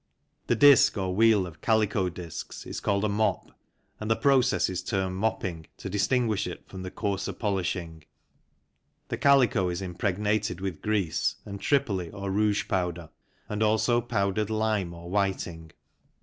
The disc or wheel of calico discs is called a " mop " and the process is termed " mopping," to distinguish it from the coarser polishing. The calico is impregnated with grease and tripoli or rouge powder and also powdered lime or whiting.